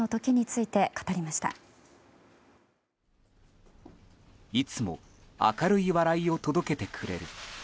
いつも明るい笑いを届けてくれる。